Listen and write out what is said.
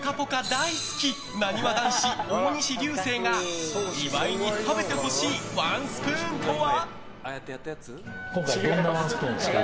大好きなにわ男子・大西流星が岩井に食べてほしいワンスプーンとは？